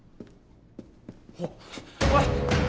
おいおい。